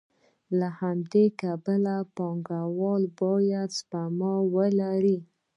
له همدې کبله پانګوال باید سپما ولري